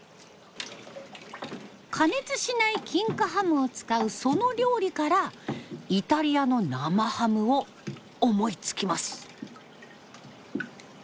加熱しない金華ハムを使うその料理からイタリアの生ハムを思いつきます。